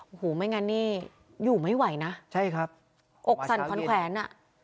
โอ้โหไม่งั้นนี่อยู่ไม่ไหวนะออกสั่นค้นแขวนอ่ะวันเช้าเย็น